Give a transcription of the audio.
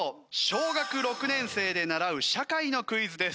小学６年生で習う社会のクイズです。